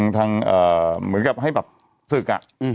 เหมือนกับให้แบบศึก